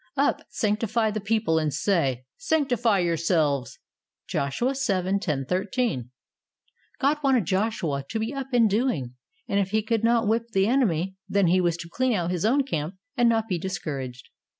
Up, sanctify the people and say, 'Sanc tify yourselves.'" (Joshua 7: 10 13.) God wanted Joshua to be up and doing, and if he could not whip the enemy, then he was to clean out his own camp and not be discouraged.